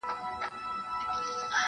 د دېوال شا ته پراته دي څو غيرانه-